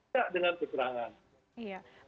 tidak dengan kekurangan